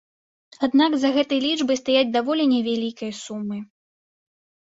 Аднак за гэтай лічбай стаяць даволі невялікія сумы.